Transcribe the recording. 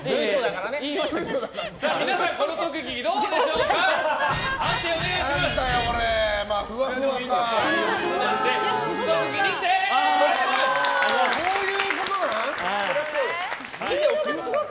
皆さん、この特技どうでしょうか？